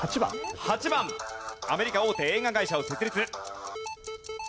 アメリカ大手映画会社を設立。